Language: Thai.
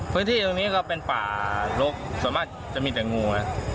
พื้นที่ตรงนี้ก็เป็นป่าลกส่วนมากจะมีแต่งูนะ